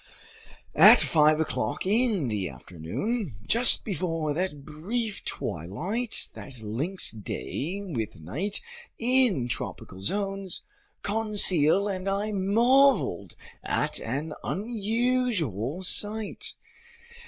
At five o'clock in the afternoon, just before that brief twilight that links day with night in tropical zones, Conseil and I marveled at an unusual sight.